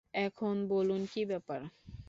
এখন বলুন, কী ব্যাপার।